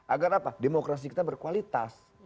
agar apa demokrasi kita berkualitas